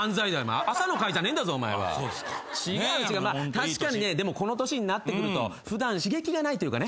確かにねこの年になってくると普段刺激がないというかね。